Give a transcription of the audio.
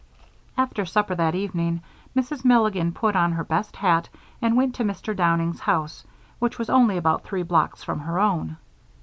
After supper that evening, Mrs. Milligan put on her best hat and went to Mr. Downing's house, which was only about three blocks from her own.